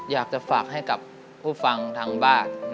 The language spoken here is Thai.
อยากจะฝากให้กับผู้ฟังทางบ้าน